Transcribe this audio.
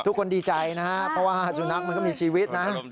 ทุกคนดีใจนะครับเพราะว่าสุนัขมันก็มีชีวิตนะ